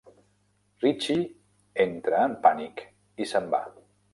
Ritchie entra en pànic i se'n va.